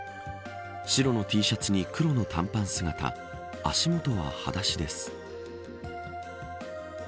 白のＴシャツに黒の短パン姿足元は、はだしです。